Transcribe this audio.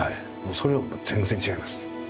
それはもう全然違います。